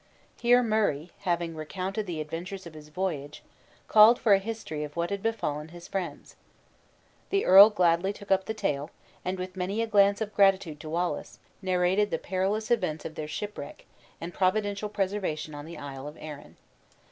Here Murray (having recounted the adventures of his voyage) called for a history of what had befallen his friends. The earl gladly took up the tale, and, with many a glance of gratitude to Wallace, narrated the perilous events of their shipwreck, and providential preservation on the Isle of Arran.